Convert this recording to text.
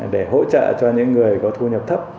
để hỗ trợ cho những người có thu nhập thấp